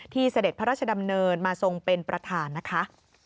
เสด็จพระราชดำเนินมาทรงเป็นประธานนะคะ